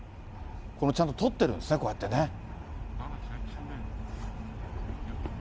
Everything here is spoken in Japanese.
このちゃんと、撮ってるんですね、こうやってね。